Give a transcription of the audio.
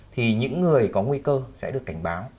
thì những người có nguy cơ sẽ được cảnh báo